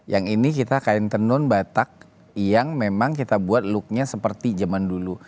yang ini kita kain tenun batak yang memang kita buat looknya seperti zaman dulu